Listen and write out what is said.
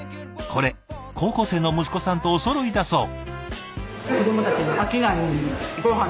これ高校生の息子さんとおそろいだそう。